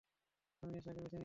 আমি নেশাকে বেছে নিয়েছি!